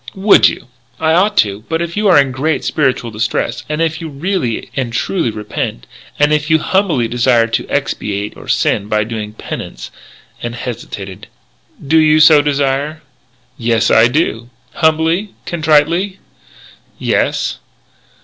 "Would you?" "I ought to.... But if you are in great spiritual distress, and if you really and truly repent, and if you humbly desire to expiate your sin by doing penance " And hesitated: "Do you so desire?" "Yes, I do." "Humbly? Contritely?" "Yes."